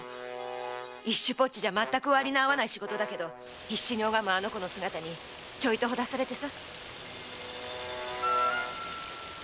一朱ぽっちじゃまったく割りの合わない仕事だけど必死に拝むあの子の姿にちょいとほだされてさ。